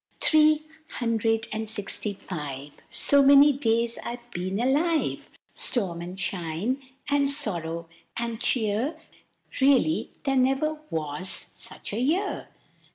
"Three—hundred—and sixty five! So many days I've been alive. Storm and shine, and sorrow and cheer, Really, there never was such a year!"